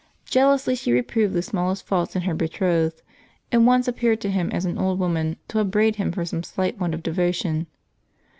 Jealously she reproved the small est faults in her betrothed, and once appeared to him as an old woman, to upbraid him for some slight want of devo tion.